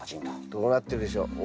どうなってるでしょう？